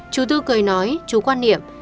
chú tư cười nói chú quan niệm